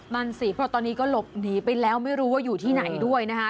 นั่นสิเพราะตอนนี้ก็หลบหนีไปแล้วไม่รู้ว่าอยู่ที่ไหนด้วยนะคะ